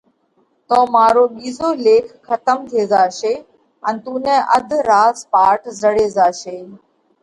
تو مارو ٻِيزو ليک کتم ٿي زاشي ان تُون نئہ اڌ راز پاٽ زڙي زاشي،